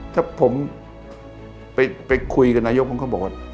ถ้าผมไปคุยกับนายกผมก็บอกว่า